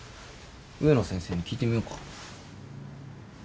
植野先生に聞いてみようか？